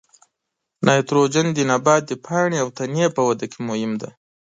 نایتروجن د نبات د پاڼې او تنې په وده کې مهم دی.